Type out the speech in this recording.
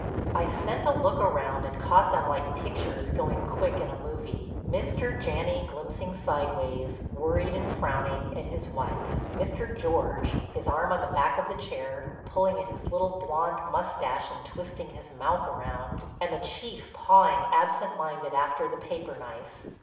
I sent a look around and caught them like pictures going quick in a movie—Mr. Janney glimpsing sideways, worried and frowning, at his wife, Mr. George, his arm on the back of his chair, pulling at his little blonde mustache and twisting his mouth around, and the Chief pawing absent minded after the paper knife.